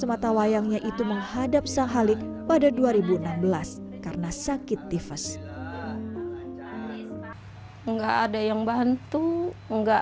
katawayangnya itu menghadap sahalik pada dua ribu enam belas karena sakit tifas enggak ada yang bantu enggak